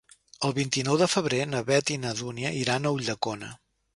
El vint-i-nou de febrer na Beth i na Dúnia iran a Ulldecona.